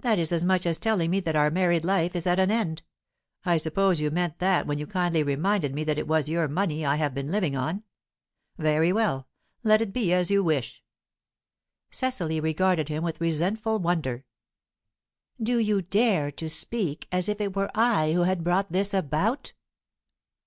"That is as much as telling me that our married life is at an end. I suppose you meant that when you kindly reminded me that it was your money I have been living on. Very well. Let it be as you wish." Cecily regarded him with resentful wonder. "Do you dare to speak as if it were I who had brought this about?"